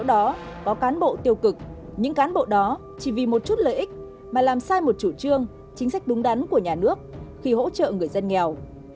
đó có cán bộ tiêu cực những cán bộ đó chỉ vì một chút lợi ích mà làm sai một chủ trương chính sách đúng đắn của nhà nước khi hỗ trợ người dân nghèo